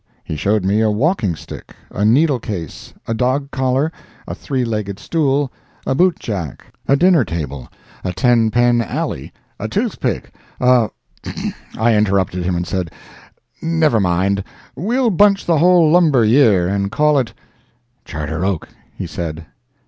He showed me a walking stick, a needlecase, a dog collar, a three legged stool, a boot jack, a dinner table, a ten pen alley, a tooth pick, a—— I interrupted him and said, "Never mind—we'll bunch the whole lumber year, and call it—" "Charter Oak," he said.